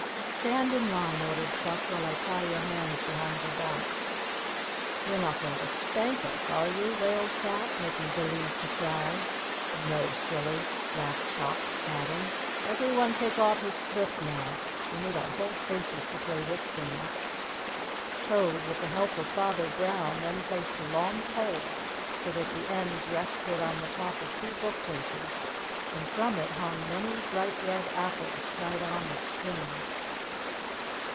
"Stand in line," ordered Chuck, "while I tie your hands behind your backs." "You're not going to spank us, are you?" wailed Fat, making believe to cry. "No, silly," laughed Chuck, adding, "Everyone take off his slip, now. We need our whole faces to play this game." Toad, with the help of Father Brown, then placed a long pole so that the ends rested on the top of two bookcases and from it hung many bright red apples, tied on with strings.